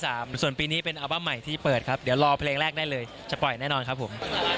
ส่วนปีนี้เป็นอัลบั้มใหม่ที่เปิดครับเดี๋ยวรอเพลงแรกได้เลยจะปล่อยแน่นอนครับผม